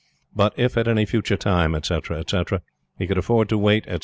but if, at any future time, etc., etc., he could afford to wait, etc.